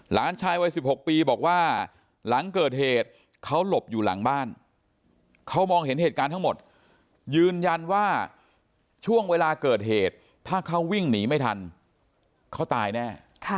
หลานชายวัย๑๖ปีบอกว่าหลังเกิดเหตุเขาหลบอยู่หลังบ้านเขามองเห็นเหตุการณ์ทั้งหมดยืนยันว่าช่วงเวลาเกิดเหตุถ้าเขาวิ่งหนีไม่ทันเขาตายแน่